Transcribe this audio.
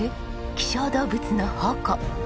希少動物の宝庫。